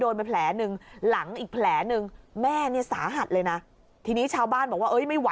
แจ้งตำรวจนี่ตำรวจเอาอะไรมา